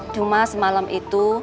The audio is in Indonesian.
cuma semalam itu